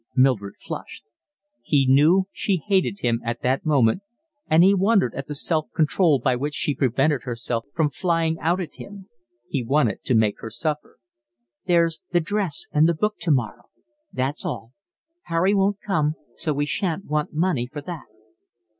Mildred flushed. He knew she hated him at that moment, and he wondered at the self control by which she prevented herself from flying out at him. He wanted to make her suffer. "There's the dress and the book tomorrow. That's all. Harry won't come, so we shan't want money for that."